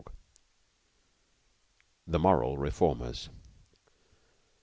THE MORAL REFORMERS.